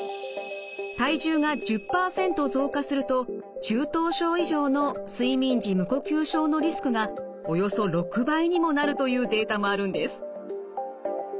体重が１０％増加すると中等症以上の睡眠時無呼吸症のリスクがおよそ６倍にもなるというデータもあるんです。